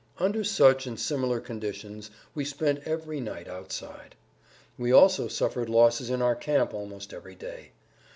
Under such and similar conditions we spent every night outside. We also suffered losses in our camp almost every day.